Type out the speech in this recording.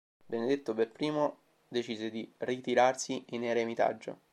Benedetto per primo decise di ritirarsi in eremitaggio.